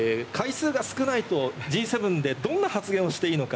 回数が少ないとＧ７でどんな発言をしていいのか。